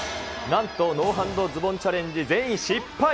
なんとノーハンドズボンチャレンジ全員失敗。